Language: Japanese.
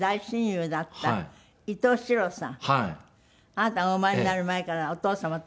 あなたがお生まれになる前からお父様とは大親友。